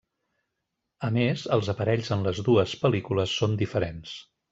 A més, els aparells en les dues pel·lícules són diferents.